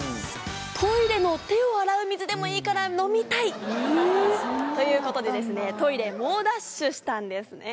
トイレの手を洗う水でもいいから、飲みたい！ということで、トイレへ猛ダッシュしたんですね。